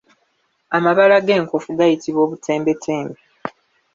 Amabala g’enkofu gayitibwa Obutembetembe.